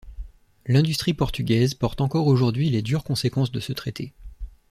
L'industrie portugaise porte encore aujourd'hui les dures conséquences de ce traité.